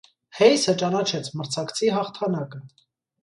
Հեյսը ճանաչեց մրցակցի հաղթանակը։